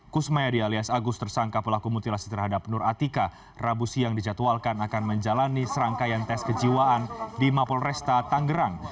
kusmayadi alias agus tersangka pelaku mutilasi terhadap nur atika rabu siang dijadwalkan akan menjalani serangkaian tes kejiwaan di mapol resta tanggerang